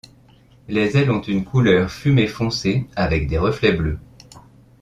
Les ailes ont une couleur fumé foncé, avec des reflets bleus.